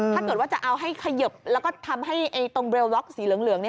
ถ้าเกิดว่าจะเอาให้เขยิบแล้วก็ทำให้ตรงเรลล็อกสีเหลืองเนี่ย